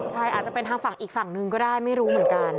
ใช่อาจจะเป็นทางฝั่งอีกฝั่งหนึ่งก็ได้ไม่รู้เหมือนกัน